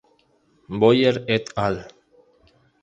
Boyer et al.